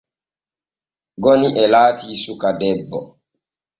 Goni e laati suka debbo.